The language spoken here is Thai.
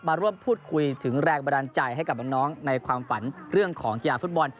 มาร่วมพูดคุยถึงแรงบันดาลใจให้กับน้องในความฝันเรื่องของกีฬาฟุตบอล